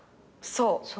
そう。